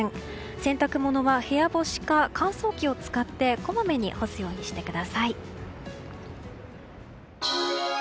洗濯物は部屋干しか乾燥機を使ってこまめに干すようにしてください。